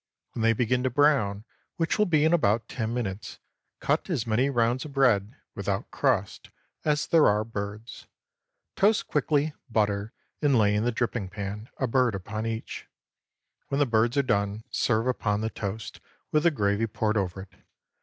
When they begin to brown, which will be in about ten minutes, cut as many rounds of bread (without crust) as there are birds. Toast quickly, butter, and lay in the dripping pan, a bird upon each. When the birds are done, serve upon the toast, with the gravy poured over it.